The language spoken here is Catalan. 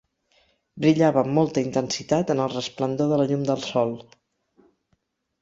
Brillava amb molta intensitat en el resplendor de la llum del sol.